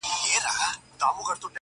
د پسرلي وريځو به !